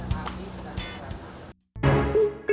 maaf nggak jadi